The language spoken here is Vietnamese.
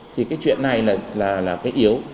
thì cái chuyện này là cái yếu